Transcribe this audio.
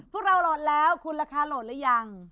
พวกเราโหลดแล้วคุณราคาโหลดหรือยัง